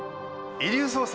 『遺留捜査』